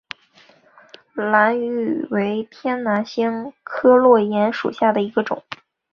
兰屿芋为天南星科落檐属下的一个种。